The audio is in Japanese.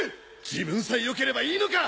自分さえよければいいのか！